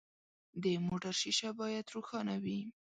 د موټر شیشه باید روښانه وي.